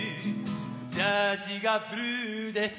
ジャージーがブルーです